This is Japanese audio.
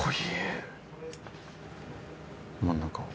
真ん中を。